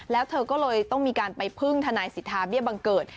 แล้วเธอก็เลยต้องมีการไปพึ่งทนายสิทธาเบี้ยบังเกิด